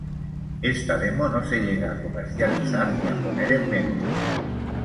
Esta demo no se llega a comercializar ni a poner en venta.